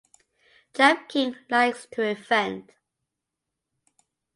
Jeff King likes to invent.